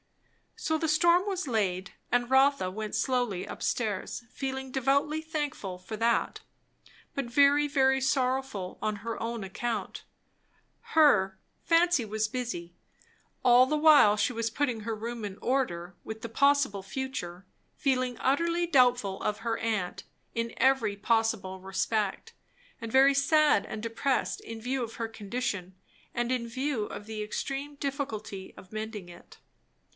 So the storm was laid; and Rotha went slowly up stairs, feeling devoutly thankful for that, but very, very sorrowful on her own account. Her, fancy was busy, all the while she was putting her room in order, with the possible future; feeling utterly doubtful of her aunt, in every possible respect, and very sad and depressed in view of her condition and in view of the extreme difficulty of mending it.